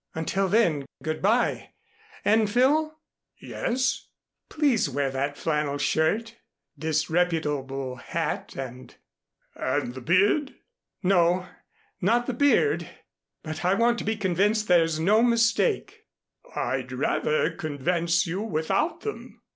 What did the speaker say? "Until then, good by, and, Phil " "Yes." "Please wear that flannel shirt, disreputable hat and " "And the beard?" "No not the beard. But I want to be convinced there's no mistake." "I'd rather convince you without them."